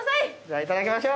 いただきましょう。